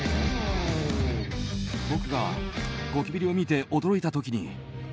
僕がゴキブリを見て驚いた時に。